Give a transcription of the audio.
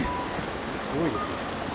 すごいですね。